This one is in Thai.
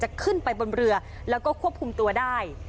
จะขึ้นไปบนเรือและก็โค่มตัวได้